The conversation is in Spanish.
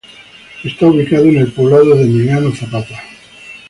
Está ubicado en el poblado de Emiliano Zapata.